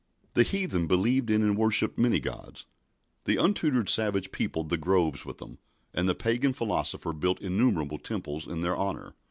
The heathen believed in and worshipped many gods. The untutored savage peopled the groves with them, and the pagan philosopher built innumerable temples in their honour.